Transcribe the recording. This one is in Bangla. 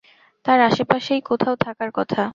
তার আশেপাশেই কোথাও থাকার কথা!